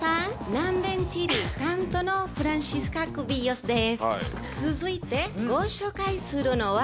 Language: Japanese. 南米チリ担当のフランシスカ・クビヨスです。